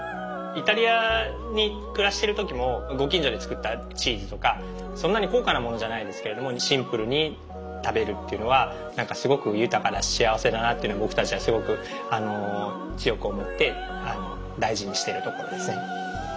イタリアに暮らしてる時もご近所で作ったチーズとかそんなに高価なものじゃないんですけれどもシンプルに食べるっていうのは何かすごく豊かだし幸せだなっていうのは僕たちはすごく強く思って大事にしているところですね。